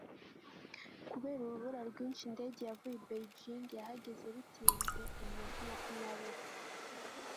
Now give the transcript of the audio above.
kubera urubura rwinshi, indege yavuye i beijing yahageze bitinze iminota makumyabiri